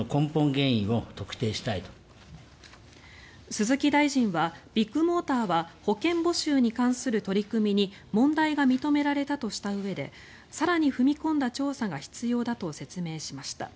鈴木大臣はビッグモーターは保険募集に関する取り組みに問題が認められたとしたうえで更に踏み込んだ調査が必要だと説明しました。